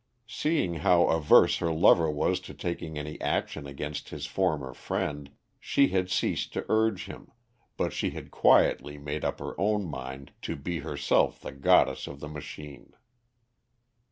Seeing how averse her lover was to taking any action against his former friend, she had ceased to urge him, but she had quietly made up her own mind to be herself the goddess of the machine.